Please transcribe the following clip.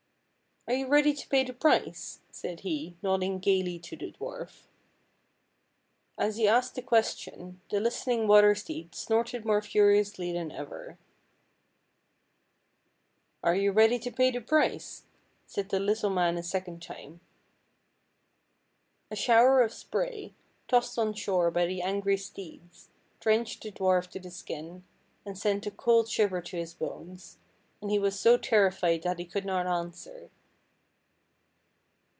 " Are you ready to pay the price? " said he, nodding gayly to the dwarf. As he asked the question, the listening water steeds snorted more furiously than ever. " Are you ready to pay the price? " said the little man a second time. A shower of spray, tossed on shore by the angry steeds, drenched the dwarf to the skin, and sent a cold shiver to his bones, and he was so terrified that he could not answer.